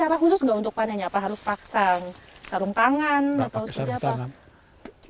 ada cara khusus nggak untuk panennya apa harus paksa sarung tangan atau tidak